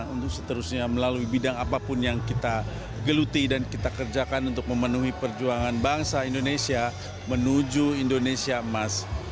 untuk seterusnya melalui bidang apapun yang kita geluti dan kita kerjakan untuk memenuhi perjuangan bangsa indonesia menuju indonesia emas